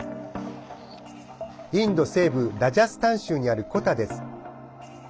インド西部ラジャスタン州にあるコタです。